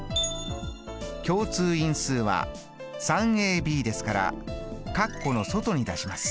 共通因数は３ｂですから括弧の外に出します。